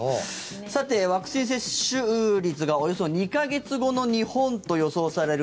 さて、ワクチン接種率がおよそ２か月後の日本と予想される